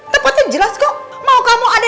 tepatnya jelas kok mau kamu ada